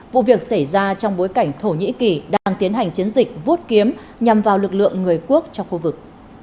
vụ việc xảy ra trong bối cảnh thổ nhĩ kỳ đang tiến hành chiến dịch vút kiếm nhằm vào lực lượng người quốc trong khu vực